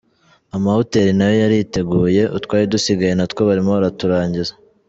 Amahoteri na yo yariteguye, utwari dusigaye na two barimo baraturangiza.